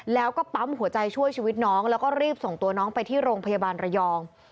แล้วก็ปั๊มหัวใจช่วยชีวิตน้องแล้วก็รีบส่งตัวน้องไปที่โรงพยาบาลระยอง